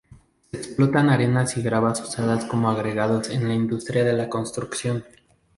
Se explotan arenas y gravas usadas como agregados en la industria de la construcción.